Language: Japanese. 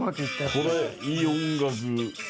これいい音楽。